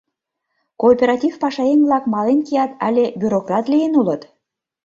Кооператив пашаеҥ-влак мален кият але бюрократ лийын улыт?